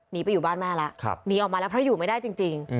หนีไปอยู่บ้านแม่แล้วหนีออกมาแล้วเพราะอยู่ไม่ได้จริง